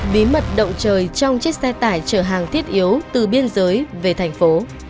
bí mật động trời trong chiếc xe tải chở hàng thiết yếu từ biên giới về thành phố